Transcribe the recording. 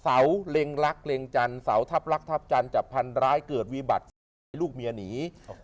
สาวเล็งรักเล็งจันทร์สาวทับลักษณ์ทับจันทร์จับพันร้ายเกิดวีบัตรลูกเมียหนี